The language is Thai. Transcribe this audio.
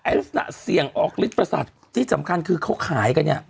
ลักษณะเสี่ยงออกฤทธิประสัตว์ที่สำคัญคือเขาขายกันเนี่ย